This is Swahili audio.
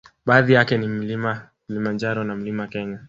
Baadhi yake ni mlima kilimanjaro na mlima Kenya